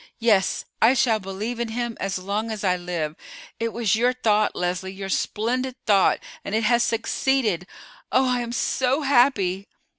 Yes. I shall believe in Him as long as I live. It was your thought, Leslie; your splendid thought, and it has succeeded. Oh, I am so happy!"